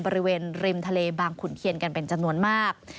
บริเวณริมทะเลบางขุนเทียนกันเป็นจำนวนมาก